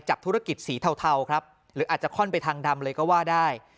ธุรกิจสีเทาครับหรืออาจจะค่อนไปทางดำเลยก็ว่าได้